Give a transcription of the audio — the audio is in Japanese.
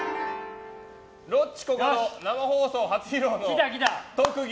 ロッチのコカド生放送初披露の特技。